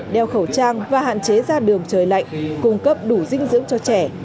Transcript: đeo khẩu trang và hạn chế ra đường trời lạnh cung cấp đủ dinh dưỡng cho trẻ